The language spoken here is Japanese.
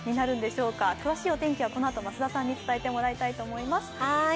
詳しいお天気はこのあと増田さんに伝えてもらいます。